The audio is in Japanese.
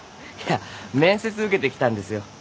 いや面接受けてきたんですよ。